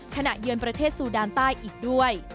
เยือนประเทศซูดานใต้อีกด้วย